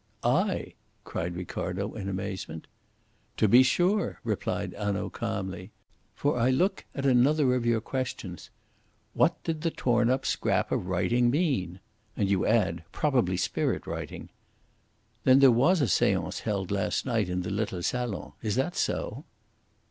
"I?" cried Ricardo in amazement. "To be sure," replied Hanaud calmly. "For I look at another of your questions. 'WHAT DID THE TORN UP SCRAP OF WRITING MEAN?' and you add: 'Probably spirit writing.' Then there was a seance held last night in the little salon! Is that so?"